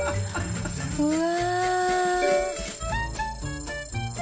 うわ。